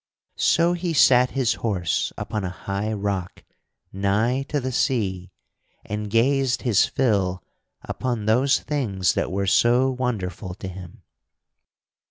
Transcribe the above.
So he sat his horse upon a high rock nigh to the sea and gazed his fill upon those things that were so wonderful to him.